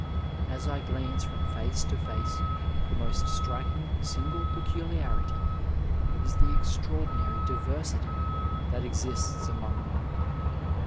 As I glance from face to face the most striking single peculiarity is the extraordinary diversity that exists among you.